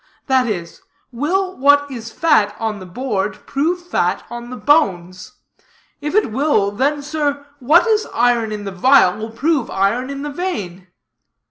That is, will what is fat on the board prove fat on the bones? If it will, then, sir, what is iron in the vial will prove iron in the vein.'